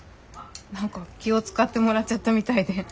何か気を遣ってもらっちゃったみたいで。